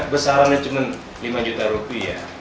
besaran cuman lima juta rupiah